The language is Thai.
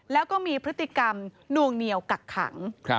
แล้วก็มีพฤติกรรมนวงเหนียวกักขัง